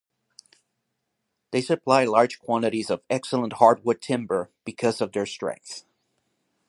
They supply large quantities of excellent hardwood timber because of their strength.